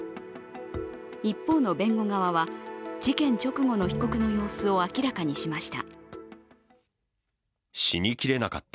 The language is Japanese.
一方の弁護側は、事件直後の被告の様子を明らかにしました。